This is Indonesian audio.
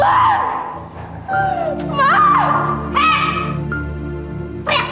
mas haikal lepasin aku